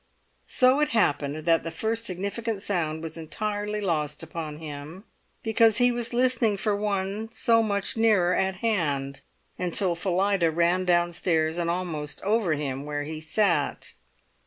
So it happened that the first significant sound was entirely lost upon him, because he was listening for one so much nearer at hand, until Phillida ran downstairs and almost over him where he sat.